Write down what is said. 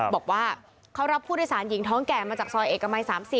บอกว่าเขารับผู้โดยสารหญิงท้องแก่มาจากซอยเอกมัย๓๐